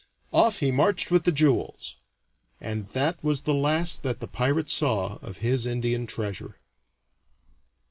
Off he marched with the jewels, and that was the last that the pirate saw of his Indian treasure.